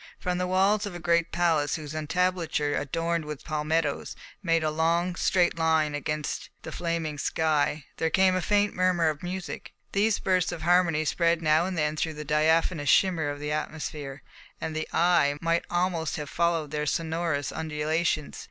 From the walls of a great palace whose entablature, adorned with palmettoes, made a long, straight line against the flaming sky, there came a faint murmur of music. These bursts of harmony spread now and then through the diaphanous shimmer of the atmosphere, and the eye might almost have followed their sonorous undulations.